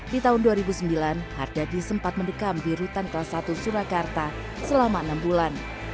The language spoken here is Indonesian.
di tahun dua ribu sembilan hardadi sempat mendekam di rutan kelas satu surakarta selama enam bulan